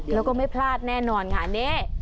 แล้วก็ไม่พลาดแน่นอนค่ะนี่